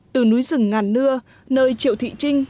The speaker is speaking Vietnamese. từ núi rừng ngàn nưa nơi triệu thị trinh